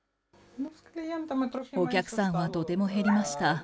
お客さんはとても減りました。